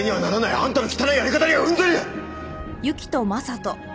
あんたの汚いやり方にはうんざりだ！